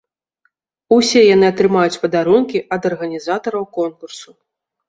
Усе яны атрымаюць падарункі ад арганізатараў конкурсу.